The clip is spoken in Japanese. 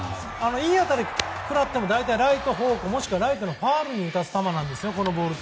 いい当たり食らってもライト方向もしくはライトのファウルに打たせる球なんですね。